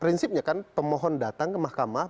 prinsipnya kan pemohon datang ke mahkamah